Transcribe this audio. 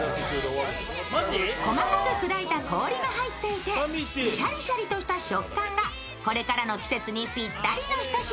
細かく砕いた氷が入っていて、シャリシャリとした食感がこれからの季節にぴったりなひと品。